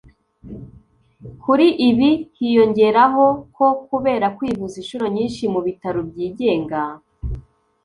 Kuri ibi hiyongeraho ko kubera kwivuza inshuro nyinshi mu bitaro byigenga